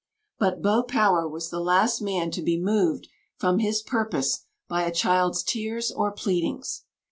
But "Beau Power" was the last man to be moved from his purpose by a child's tears or pleadings.